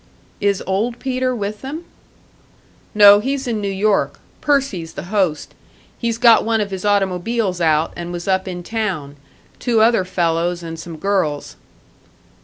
"Is Old Peter with them?" "No, he's in New York. Percy's the host. He's got one of his automobiles out, and was up in town two other fellows and some girls."